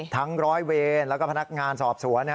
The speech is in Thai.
ร้อยเวรแล้วก็พนักงานสอบสวน